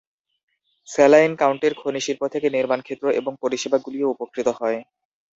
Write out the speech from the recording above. Saline কাউন্টির খনি শিল্প থেকে নির্মাণ ক্ষেত্র এবং পরিষেবাগুলিও উপকৃত হয়।